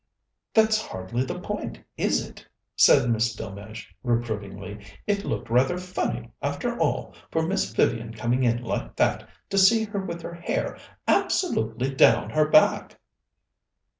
"That's hardly the point, is it?" said Miss Delmege reprovingly. "It looked rather funny, after all, for Miss Vivian coming in like that, to see her with her hair absolutely down her back."